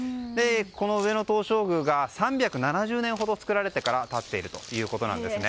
この上野東照宮が３７０年ほど造られてから経っているということなんです。